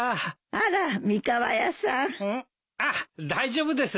あっ大丈夫です。